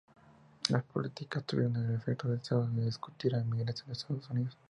Las políticas tuvieron el efecto deseado de disuadir a la inmigración de Estados Unidos.